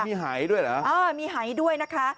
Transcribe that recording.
มีหายด้วยเหรอมีหายด้วยนะคะ